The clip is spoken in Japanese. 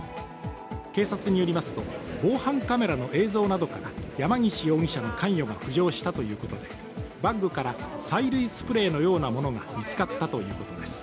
警察によりますと防犯カメラの映像などから山岸容疑者の関与が浮上したということで、バッグから催涙スプレーのようなものが見つかったということです。